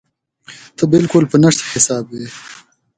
ته بالکل په نشت حساب وې.